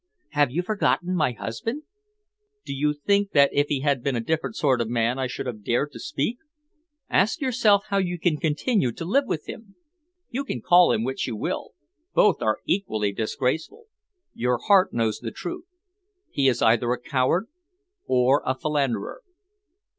"Have you forgotten my husband?" "Do you think that if he had been a different sort of man I should have dared to speak? Ask yourself how you can continue to live with him? You can call him which you will. Both are equally disgraceful. Your heart knows the truth. He is either a coward or a philanderer."